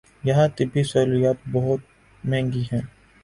یہاں طبی سہولیات بہت مہنگی ہیں۔